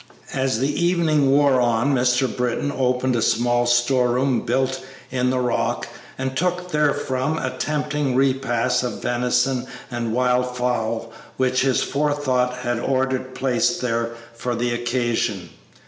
As the evening wore on Mr. Britton opened a small store room built in the rock, and took therefrom a tempting repast of venison and wild fowl which his forethought had ordered placed there for the occasion.